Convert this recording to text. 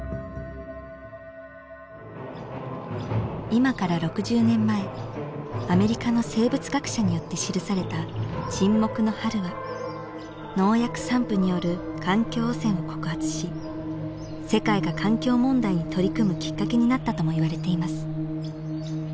今から６０年前アメリカの生物学者によって記された「沈黙の春」は農薬散布による環境汚染を告発し世界が環境問題に取り組むきっかけになったともいわれています。